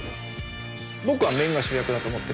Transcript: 僕は麺が主役だと思ってるんです。